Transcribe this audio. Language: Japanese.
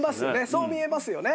そう見えますよね。